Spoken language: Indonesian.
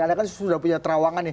anda kan sudah punya terawangan nih